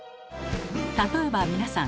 例えば皆さん